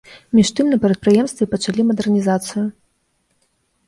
Між тым на прадпрыемстве пачалі мадэрнізацыю.